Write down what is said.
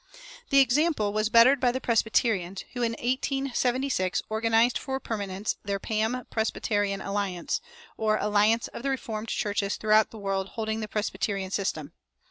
The example was bettered by the Presbyterians, who in 1876 organized for permanence their "Pam Presbyterian Alliance," or "Alliance of the Reformed Churches throughout the world holding the Presbyterian System."